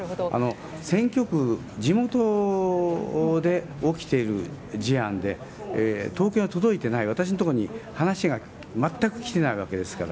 選挙区、地元で起きている事案で、東京に届いてない、私のところに話が全く来てないわけですから。